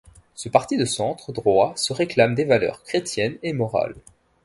Ce parti de centre droit se réclame des valeurs chrétiennes et morales.